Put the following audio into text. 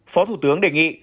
phó thủ tướng đề nghị